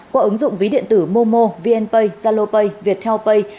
qua ứng dụng ví điện tử momo vnpay zalopay viettelpay